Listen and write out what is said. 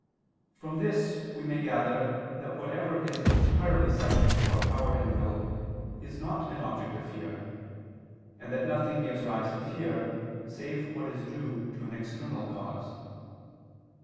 From this we may gather that whatever is entirely subject to our power and will, is not an object of fear; and that nothing gives rise to fear save what is due to an external cause.